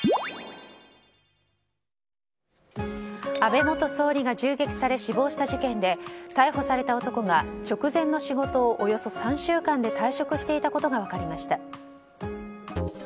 安倍元総理が銃撃され死亡した事件で逮捕された男が直前の仕事をおよそ３週間で退職していたことが分かりました。